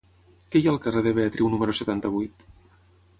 Què hi ha al carrer de Beatriu número setanta-vuit?